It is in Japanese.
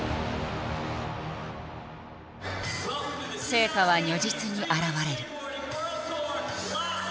成果は如実に表れる。